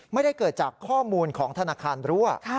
ไม่ได้เกิดจากข้อมูลของธนาคารรั่ว